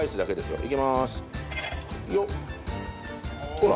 ほら！